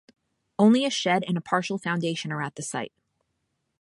Only a shed and a partial foundation are at the site.